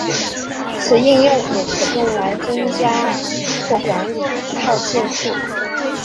此应用也可用来增加或管理套件库。